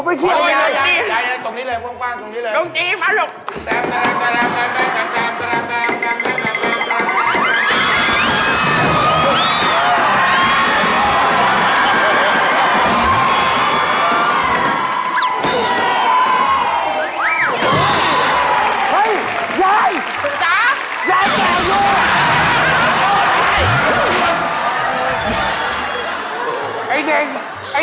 เพราะ